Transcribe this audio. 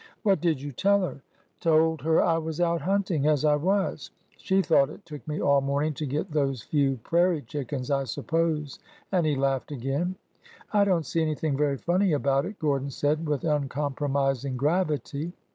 "What did you tell her?" " Told her I was out hunting, as I was. She thought it took me all morning to get those few prairie chickens, I suppose." And he laughed again. " I don't see anything very funny about it," Gordon said with uncompromising gravity.